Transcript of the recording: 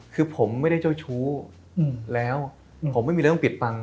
คือผมไม่ได้เจ้าชู้แล้วผมไม่มีเรื่องปิดบัง